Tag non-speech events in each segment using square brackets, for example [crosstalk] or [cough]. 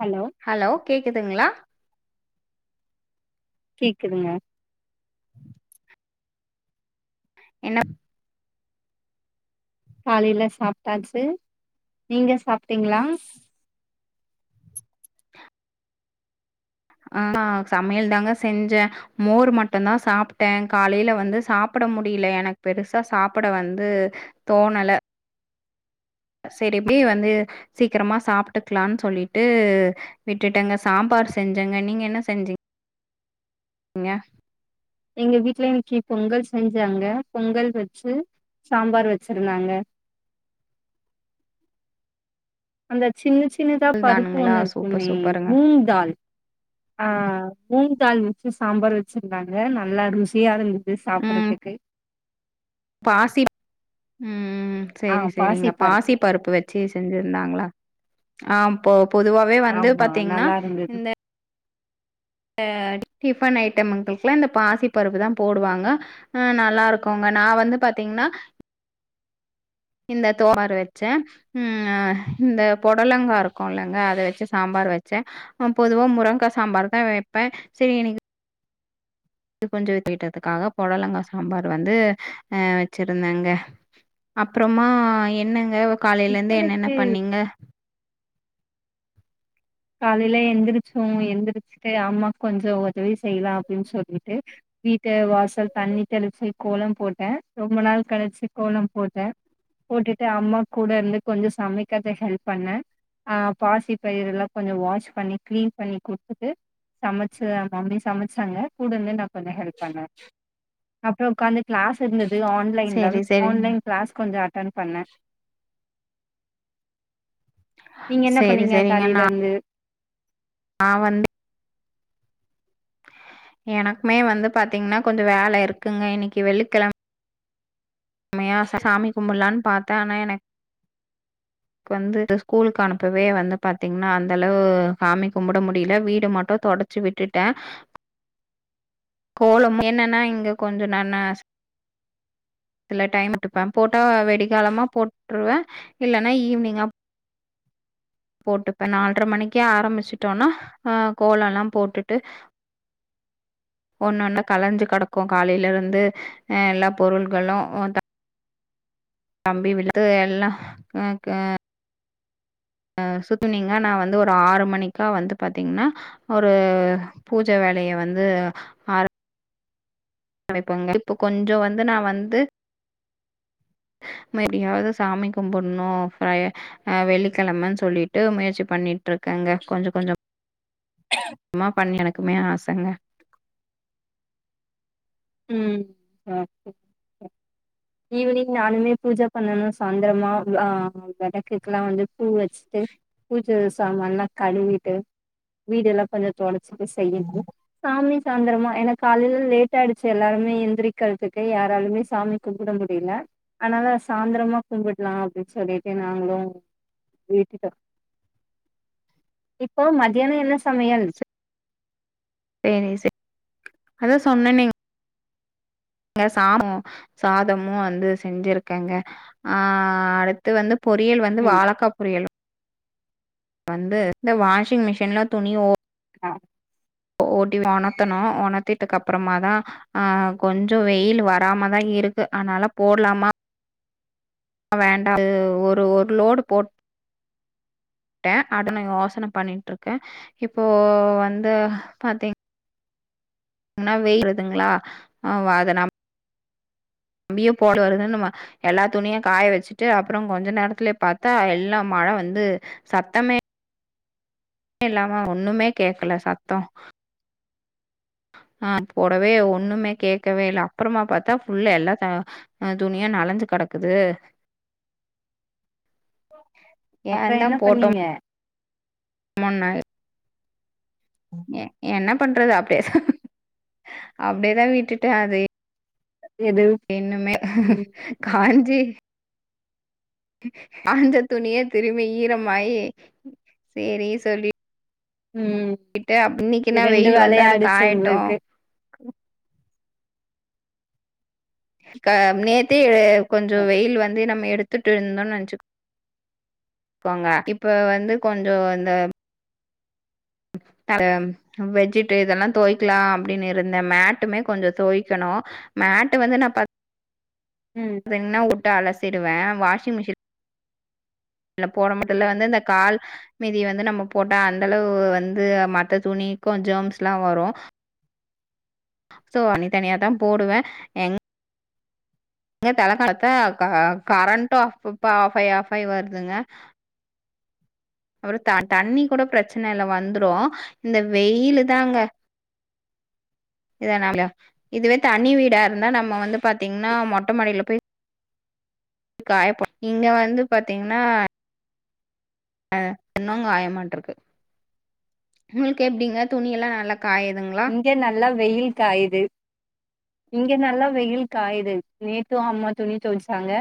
Hello hello கேக்குதுங்ளா கேக்குதுங்க என்னப் காலைல சாப்ட்டாச்சு நீங்க சாப்ட்டீங்ளா ஆ நா சமையல் தாங்க செஞ்ச மோர் மட்டுந்தா சாப்ட்டே காலையில வந்து சாப்பிட முடியில எனக்கு பெருசா சாப்பிட வந்து தோணல செரி இப்டி வந்து சீக்கிரமா சாப்ட்டுக்கலான் சொல்லிட்டு விட்டுட்டங்க சாம்பார் செஞ்சங்க நீங்க என்ன செஞ்சீ ங்க எங்க வீட்ல இன்னிக்கி பொங்கல் செஞ்சாங்க பொங்கல் வீச்சு சாம்பார் வெச்சிருந்தாங்க அந்த சின்ன சின்னதா பருப்பு தானுங்களா ஒண்ணு சூப்பர் இருக்குமே சூப்பருங்க மூங்க்டால் ஆ மூங்க்டால் வெச்சு சாம்பார் வெச்சிருந்தாங்க நல்லா ருசியா இருந்துது ம் சாப்பட்றதுக்கு பாசி ம் ஆ செரி செரிங்க பாசி பருப்பு பாசிப்பருப்பு வெ கிச்சடி செஞ்சிருந்தாங்களா ஆ ப்ப பொதுவாவே வந்து ஆமா பாத்தீங்கன்னா நல்லா இருந்தது இந்த இந்த டிஃபன் ஐட்டமங்களுக்கு எல்லா இந்த பாசி பருப்பு தா போடுவாங்க அஹ நல்லா இருக்குங்க நா வந்து பாத்தீங்கன்னா இந்த தோறு வச்ச ம் இந்த பொடலங்கா இருக்கும்லங்க அத வச்சு சாம்பார் வச்ச பொதுவா முரங்கா சாம்பார் தா வைப்ப சரி இன்னிக்கு இது கொஞ்ச வித்துக்கிட்டதுக்காக புடலங்காய் சாம்பார் வந்து அஹ வச்சிருந்தாங்க அப்பறமா என்னங்க காலையில இருந்து என்னென்ன டிஃபனுக்கு பண்ணீங்க காலையில எந்திரிச்சோ எந்திரிச்சுட்டு அம்மா கொஞ்ச உதவி செய்யலா அப்டின்னு சொல்லிட்டு வீட்ட வாசல் தண்ணி தெளிச்சு கோலம் போட்ட ரொம்ப நாள் கழிச்சு கோல போட்ட போட்டுட்டு அம்மா கூட இருந்து கொஞ்ச சமைக்கரத்துக்கு ஹெல்ப் பண்ண அஹ பாசி பயிரு எல்லா கொஞ்ச வாஷ் பண்ணி கிளீன் பண்ணி கொடுத்துட்டு சமைச்ச மம்மி சமைச்சாங்க கூட இருந்து நா கொஞ்ச ஹெல்ப் பண்ண அப்பற உட்காந்து கிளாஸ் இருந்தது ஆன்லைன்ல சரி சரிங்க ஆன்லைன் கிளாஸ் கொஞ்ச அட்டன் பண்ண நீங்க என்ன சரி பண்ணீங்க சரிங்க காலையில இருந்து நா வந்து எனக்குமே வந்து பாத்தீங்கன்னா கொஞ்ச வேல இருக்குங்க இன்னிக்கு வெள்ளிக்கிழம மையா சாமி கும்பிடலான்னு பாத்த ஆனா எனக்கு வந்து ஸ்கூலுக்கு அனுப்பவே வந்து பாத்தீங்கன்னா அந்த அளவு சாமி கும்புட முடில வீடு மட்டு தோடச் சி விட்டுட்ட கோலமு என்னன்னா இங்க கொஞ்ச ந ந இல டைம் எத்துபே போட்டா வெடிகாலமா போட்டுருவ இல்லனா ஈவினிங்கா போட்டுப்ப நால்ர மணிக்கே ஆரம்பிச்சுட்டோனா அ கோலல்லா போட்டுட்டு ஒன்னு ஒன்னு கலைஞ்சு கடக்கு காலையில இருந்து எல்லா பொருள்களு த தம்பி விழுத்து எல்லா க அ சுத்தனீங்க நா வந்து ஒரு ஆறு மணிக்கா வந்து பாத்தீங்கன்னா ஒரு பூஜை வேலைய வந்து ஆ படைப் போங்க இப்போ கொஞ்ச வந்து நா வந்து மப்டியாவது சாமி கும்புடணு ஆ வெள்ளிக்கிழமன்னு சொல்லிட்டு முயற்சி பண்ணிட்டு இருக்காங்க கொஞ்ச கொஞ்ச மா பண்ணி எனக்குமே ஆசங்க ம் அ ஈவினிங் நானுமே பூஜ பண்ணணு சாந்தரமா அ வளக்குக்குல்லா வந்து பூ வச்சுட்டு பூஜா சாமான்லா கழுவிட்டு வீடு எல்லா கொஞ்ச தோடச்சிட்டு செய்யனு சாமி சாய்ந்தரமா எனக்கு காலையிலா லேட்டாயிச் ஸ் எல்லாருமே எந்திரிக்கரத்துக்கு யாராலுமே சாமி கும்முட முடியில அதுனால சாந்திரமா கும்பிடுலா அப்டின்னு சொல்லிட்டு நாங்களு விட்டுடோ இப்போ மதியான என்ன சமையல் பெணி செ அதா சொன்னனே ங்க சாமு சாதமு வந்து செஞ்சிருக்கேங்க ஆ அடு த்து வந்து பொறியல் வந்து ம் வாழக்கா பொரியல் வந்து இந்த வாஷிங் மிஷின்லா துணி ஓ ஆ ஓட்டி உணத்தனு உணத்திட்டுகப்பறமா தா ஆ கொஞ்ச வெயில் வராமதா இருக்கு அதனால போடலாமா வேண்டா ட்டு ஒரு ஒரு லோடு போட் ட்டே அத நா யோசன பண்ணிட்ருக்கே இப்போ வந்து பாத்தீங் னா வெயில் வருதுங்ளா ஆ அத நம் பியு போட வருதுன் நம்ம எல்லா துணியு காயவச்சுட்டு அப்றோ கொஞ்ச நேரத்துலே பாத்தா எல்லா மழ வந்து சத்தமே இல்லாம ஒண்ணுமே கேக்கல சத்தோ ஆ போடவே ஒண்ணுமே கேக்கவே இல்ல அப்றமா பாத்தா ஃபுல்லா எல்லா எ துணியா நளஞ்சு கடக்குது அப்றோ என்ன பண்ணீங்க முன்ன என்ன பண்றது அப்டேதா அப்டேதா விட்டுட்டே அதே எது இன்னுமே ம் காஞ்சி காஞ்ச துணியே திரும்பி ஈரமாயி சேரி சொல்லி ம் இன்னைக்குன்னா ரெண்டு வெயில் வந்தா அது வேலையாய்டுச்சு காயட்டும். உங்ளுக்கு கா நேத்தே கொஞ்சொ வெயில் வந்து நம்ம எடு த்துட்ருந்தோன் நென்ச்சுக் கோங்க இப்ப வந்து கொஞ்சோ அந்த [inaudible] வெச்சிட்டு இதெல்லா தொய்க்லா அப்டின் இருந்தே மேட்டுமே கொஞ்சோ தொய்க்கனு மேட்டு வந்து நா ப ம் ரெண்நா வுட்டு அலசிருவே வாஷிங் மிஷின் ல போட மட்டுல்ல வந்து இந்த கால் மிதி வந்து நம்ம போட்டா அந்தளவு வந்து மத்த துணிக்கு ஜெர்ம்ஸ் லா வரு ஸோ தனி தனியாதா போடுவே எங் இங்க [unintelligible] காலத்துல க கரண்ட்டு அப்பப்ப ஆஃப்ஃபாயி ஆஃப்ஃபாயி வருதுங்க அப்றோ த தண்ணி கூட பிரச்சனில்ல வந்துரு இந்த வெயிலு தாங்க இதனால இதுவே தனி வீடா இருந்தா நம்ம வந்து பாத்தீங்கன்னா மொட்டமாடில போய் காயப்போட் இங்க வந்து பாத்தீங்னா ஆ இன்னு காயமாட்ருக்கு உங்ளுக்கு எப்டிங்க துணியல்லா நல்லா காய்துங்ளா இங்க நல்லா வெயில் காய்து இங்க நல்லா வெயில் காய்து நேத்து அம்மா துணி தொவ்ச்சாங்க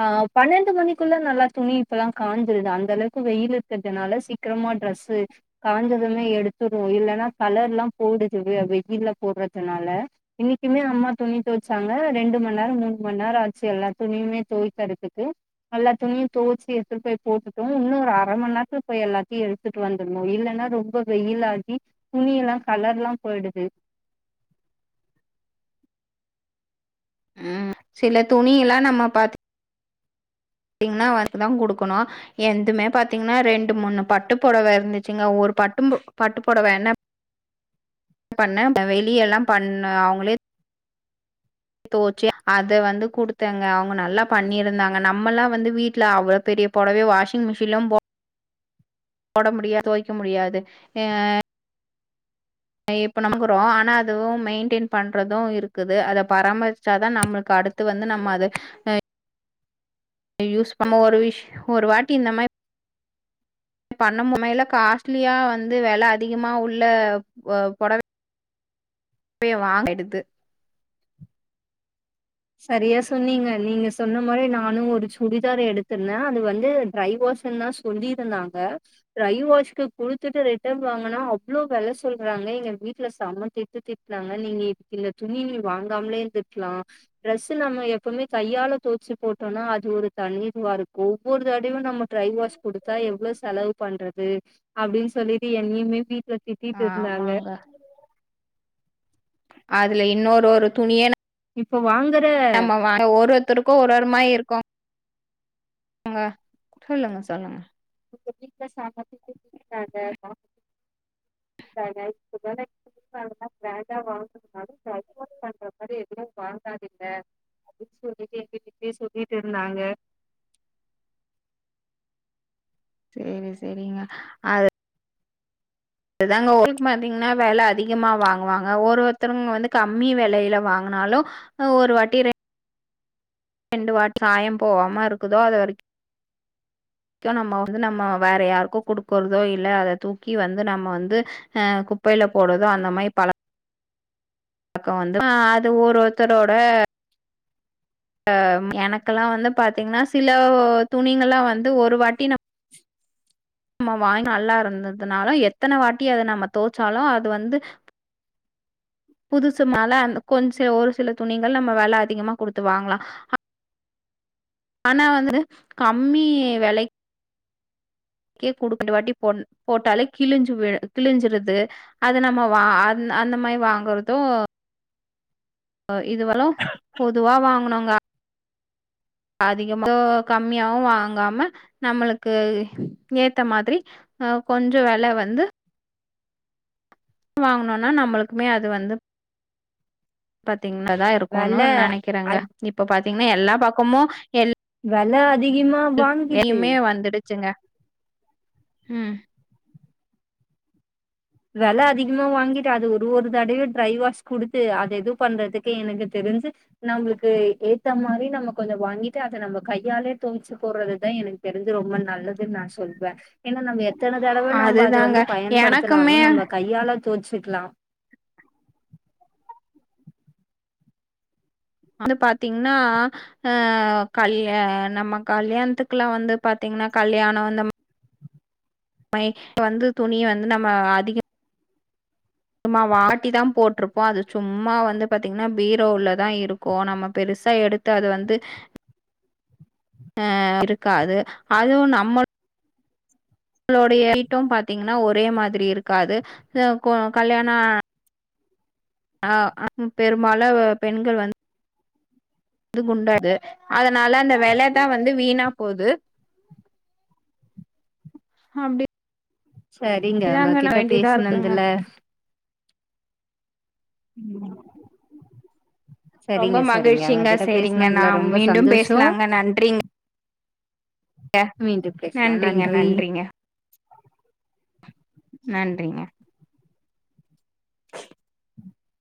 ஆ பன்னெண்டு மணிக்குள்ள நல்லா துணி இப்பல்லா காஞ்சிருது அந்தளவுக்கு வெயில் இருக்கதுனால சீக் க்கிரமா ட்ரெஸு காஞ்சதுமே எடுத்துடு‌வோ இல்லன்னா கலர்லா போகுது வெ வெயில்ல போட்றதுனால இன்னிக்கிமே அம்மா துணி தொவ்ச்சாங்க ரெண்டு மண்நேரோ மூன்மண்நேரோ ஆச்சு எல்லா துணிமே தொய்க்கறதுக்கு எல்லா துணியு தொவ்ச்சு எடுத்துட்டு போய் போட்டுட்டோ இன்னு ஒரு அர மண்நேரத்துல போய் எல்லாத்தையு எ த்துட்டு வந்துர்னு இல்லன்னா ரொம்ப வெயிலாகி துணியல்லா கலர்லா போய்டுது ம் சில துணிலா நம்ம பாத் தீங்னா வந்து தா குடுக்கனு என்துமே பாத்தீங்னா ரெண்டு மூனு பட்டுப்பொடவ இருந்துச்சுங்க ஒரு பட்டும் பட்டு பொடவ என்ன பண்ணே வெளியல்லா பண்ண அவுங்ளே தொவச்சு அத வந்து குடுத்தெங்க அவுங்க நல்லா பண்ணியிருந்தாங்க நம்மலா வந்து வீட்ல அவ்ளோ பெரிய பொடவய வாஷிங் மிஷின்லா போ போட முடியா தொவைக்க முடியாது ஏங்க இப்ப வாங்குறோ ஆனா அதுவு மெயின்டெய்ன் பண்றது இருக்குது அத பராமரிச்சாதா நம்ளுக்கு அடு த்து வந்து நம்ம அது ஆ யூஸ் பண்ண நம்ம ஒரு விஷ் ஒரு வாட்டி இந்த மா பண்ணமுமையில காஸ்ட்லியா வந்து வில அதிகமா உள்ள ஒ பொடவ இப்பேயே வா எடுத்து சரியா சொன்னீங்க நீங்க சொன்ன மாரி நானு ஒரு சுடிதார் எடுத்திருந்த அது வந்து ட்ரை வாஷன் தா தொண்டிருந்தாங்க ட்ரைவாஸ்க்கு குடுத்துட்டு ரிட்டன் வாங்குனா அவ்ளோ வேல சொல்றாங்க எங்க வீட்ல செம திட்டு திட் நாங்க இனி இந்த துணி வாங்காமலே இருந்துக்கிலா ட்ரெஸ்சு நம்ம எப்போமே கையால தோச்சி போட்டோம்னா அது ஒரு தனி இதுவா இருக் ஒவ்வொரு தடையு நம்ம ட்ரை வாஷ் குடுத்தா எவ்ளவு செலவு பண்ற க்கு அப்டின்னு சொல்லிட்டு என்னையுமே வீட்ல திட்டிட்டு இருந்தாங்க ஆமாங்க அதுல இன்னொரு ஒரு துணிய இப்ப வாங்குற நம்ம வார ஒரு ஒருத்தருக்கு ஒரு ஒரு மாயி இருக்கு இங்க சொல்லுங்க சொல்லுங்க [inaudible] அதுலா வேண்டாமா வாங்கனுனாலு இந்த ஐ போன் பண்ற மாரி எதுவு வாங்காதிங்க [unintelligible] எங்கிட்டிட்டயே சொல்லிட்டு இருந்தாங்க செரி செரிங்க அது அதுதாங்க [inaudible] பாத்தீங்னா வில அதிகமா வாங்குவாங்க ஒரு ஒருத்தருங்க வந்து கம்மி விலையில வாங்கினாலு ஒரு வாட்டி ரெ ண்டு வாட்டி சாயோ போவாம இருக்குதோ அது வரை க்கும் நம்ம வந்து நம்ம வேற யாருக்கோ குடுக்குறதோ இல்ல அத தூக்கி வந்து நம்ம வந்து ஆ குப்பையில போடுதோ அந்த மாரி பழக் கோ வந்து அது ஒரு ஒருத்தரோட அம் எனக்கெல்லா வந்து பாத்தீங்னா சில ஒ ஒ துணிங்கல்லா வந்து ஒரு வாட்டி நம் நம்ம வாய் நல்லா இருந்ததுனா எத்தன வாட்டி அத நம்ம தோச்சாலு அது வந்து புதுசு மேல அந்த கொஞ்ச ஒரு சில துணிகள் நம்ம வெல அதிகமா குடுத்து வாங்கலா ஆனா வந்து கம்மி வெலை க்கு குடுக்ற வாட்டி போ போட்டாலே கிழிஞ்சிபோயிற கிழிஞ்சிருது அது நம்ம வா அ அந்த மாரி வாங்கோறோதோ ஆ இதுவலு பொதுவா வாங்கனோங்கா அதிகமே கம்மயாவு வாங்காம நம்மளுக்கு ஏத்த மாதிரி ஆ கொஞ்ச வெல வந்து வாங்கோனோனா நம்மளுக்குமே அது வந்துப் பாத்தீங்னதா இருக்குனு வெல நினக்கிறங்க அத் இப் இப்போ பாத்தீங்னா எல்லா பக்கமோ எல் வெல அதிகமா [inaudible] வாங்கிட்டு எல்யுமே வந்துடுச்சிங்க ம் வெல அதிகமா வாங்கிட்டு அது ஒரு ஒரு தடவ ட்ரை வாஷ் குடுத்து அது இது பண்றதுக்கு எனக்கு தெரிஞ்சி நம்மளுக்கு ஏத்த மாரி நம்ம கொஞ்சே வாங்கிட்டு அத நம்ம கையாலே துவச்சி போடுறது தா எனக் தெரிஞ்சி ரொம்ப நல்லதுன்னு நா சொல்வ ஏனா நம்ம எத்தன தடவ நம்ம அத அதுதாங்க வந்து பயன்படுத் துனாலு எனக்குமே நம்ம கையால தோச்சிக்கிலா வந்து பாத்தீங்னா ஆ கல்யா நம்ம கல்யாணத்துக்குலா வந்து பாத்தீங்னா கல்யாணோ இந்த மை வந்து துணிய வந்து நம்ம அதிக சும்மா வாட்டி தா போட்டிருப்போ அது சும்மா வந்து பாத்தீங்னா பீரோல தா இருக்கு நம்ம பெருசா எடு த்த அது வந்து அ இருக்காது அதுவு நம்ம ளுடைய வீட்டும் பாத்தீங்னா ஒரே மாரி இருக்காது இது கோ கல்யாண ஆ [inaudible] பெரும்பாலு பெண்கள் வந் இது குண்டாது அதனால அந்த வெலதா வந்து வீணா போது அப்டி செரிங்க உங்ககிட்ட வேண்டியதா இருக்குங்க பேசுனன்துல ம் ரொம்ப செரிங்க செரிங்க மகிழ்ச்சிங்க உங்ககிட்ட செரிங்க பேசுனன்துல நாம் ரொம்ப மீண்டும் சந்தோஷோ பேசலாங்க நன்றிங்க மீண்டும் பேசலா நன்றிங்க நன்றி நன்றிங்க நன்றிங்க